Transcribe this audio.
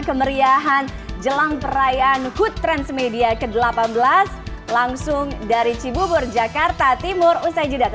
kemeriahan jelang perayaan hut transmedia ke delapan belas langsung dari cibubur jakarta timur usai jeda